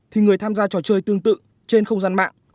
thì người tham gia trò chơi tương tự trên không gian mạng